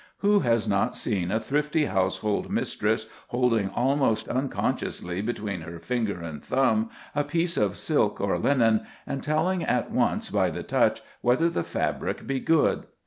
Who has not seen a thrifty household mistress holding almost unconsciously between her finger and thumb a piece of silk or linen, and telling at once by the touch whether the fabric be good?